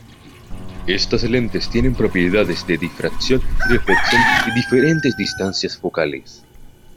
Estas lentes tienen propiedades de difracción y reflexión y diferentes distancias focales.